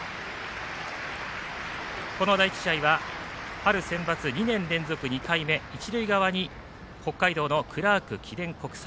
この第１試合は春センバツ２年連続２回目一塁側に北海道のクラーク記念国際。